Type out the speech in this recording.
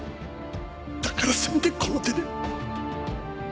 だからせめてこの手で！